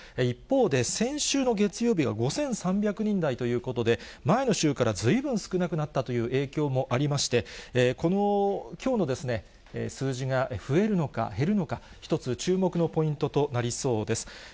一方で、先週の月曜日は５３００人台ということで、前の週からずいぶん少なくなったという影響もありまして、このきょうの数字が増えるのか、減るのか、一つ注目のポイントとなりそうです。